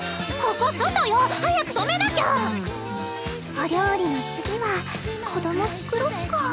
お料理の次は子どもつくろっか。